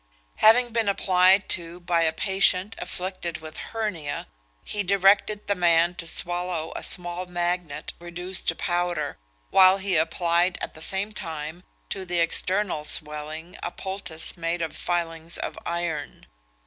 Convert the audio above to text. Having been applied to by a patient afflicted with hernia, he directed the man to swallow a small magnet reduced to powder, while he applied at the same time to the external swelling, a poultice made of filings of iron.